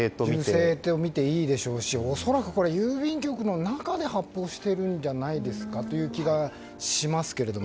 銃声とみていいでしょうし恐らくこれ郵便局の中で発砲しているんじゃないんですかという気がしますけれども。